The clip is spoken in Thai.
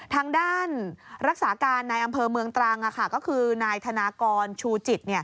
ทางด้านรักษาการนายอำเภอเมืองตรังก็คือนายธนากรชูจิต